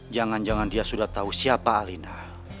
jangan jangan dia sudah tahu siapa alina